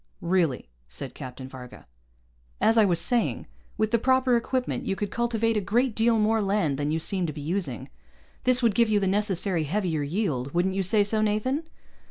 "Really," said Captain Varga. "As I was saying, with the proper equipment, you could cultivate a great deal more land than you seem to be using. This would give you the necessary heavier yield. Wouldn't you say so, Nathan?"